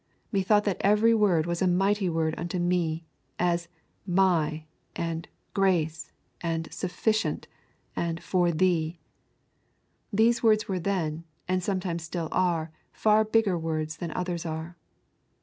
methought that every word was a mighty word unto me; as My, and grace, and sufficient, and for thee. These words were then, and sometimes still are, far bigger words than others are.